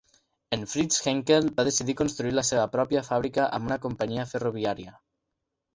En Fritz Henkel va decidir construir la seva pròpia fàbrica amb una companyia ferroviària.